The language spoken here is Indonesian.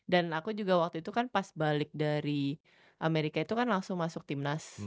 dan aku juga waktu itu kan pas balik dari amerika itu kan langsung masuk timnas